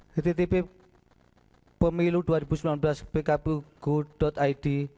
ktp pemilu dua ribu sembilan belas bkpu id